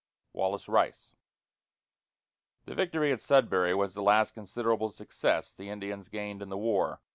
WALLACE RICE. The victory at Sudbury was the last considerable success the Indians gained in the war.